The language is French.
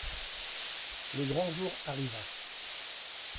Le grand jour arriva.